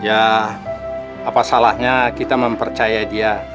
ya apa salahnya kita mempercaya dia